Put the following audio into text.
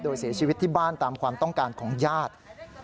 โดยเสียชีวิตที่บ้านตามความต้องการของญาติ